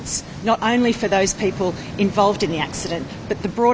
bukan hanya untuk orang orang yang terlibat dalam kemalangan